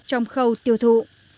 trong khâu tiêu thụ